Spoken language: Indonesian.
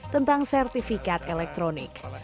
tentang sertifikat elektronik